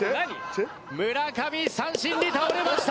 村上三振に倒れました！